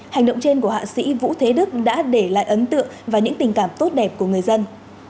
hành động trên của hạ sĩ vũ thế đức đã để lại ấn tượng và những tình cảm tốt đẹp của người dân